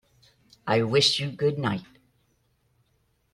I wish you good night.